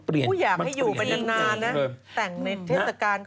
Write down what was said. ผู้อยากให้อยู่ไปนานนะแต่งในเทศกาล